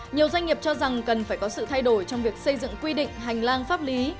nhiều doanh nghiệp cho rằng cần phải có sự thay đổi trong việc xây dựng quy định hành lang pháp lý